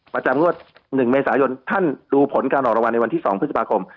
ประจำงวด๑เมษายนท่านดูผลการออกรางวัลในวันที่๒พฤษภาคม